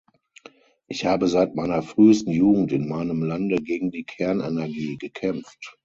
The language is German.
Ich habe seit meiner frühesten Jugend in meinem Lande gegen die Kernenergie gekämpft.